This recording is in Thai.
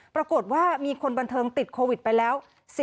ปรากฏว่ามีคนบันเทิงติดโควิดไปแล้ว